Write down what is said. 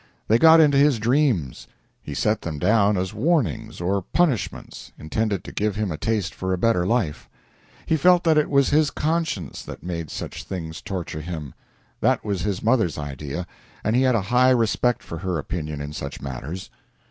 They got into his dreams. He set them down as warnings, or punishments, intended to give him a taste for a better life. He felt that it was his conscience that made such things torture him. That was his mother's idea, and he had a high respect for her opinion in such matters.